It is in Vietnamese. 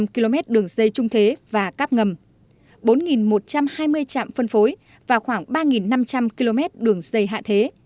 hai hai trăm linh km đường dây trung thế và cáp ngầm bốn một trăm hai mươi trạm phân phối và khoảng ba năm trăm linh km đường dây hạ thế